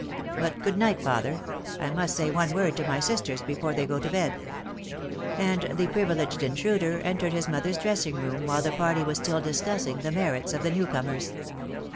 •.. But, good night, father !.... I must say one word to my sisters before they go to bed" .... And the pri vileged intruder entered his mother's dressing room while the party were still discussing the merits of the new comers.